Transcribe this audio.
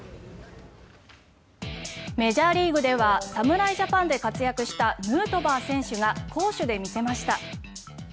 メジャーリーグでは侍ジャパンで活躍したヌートバー選手が攻守で見せました。